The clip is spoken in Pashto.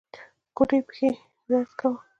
ګوډې پښې يې درد کاوه.